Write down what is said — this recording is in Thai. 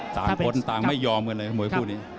สามคนต่างไม่ยอมเลยหมวยผู้นี้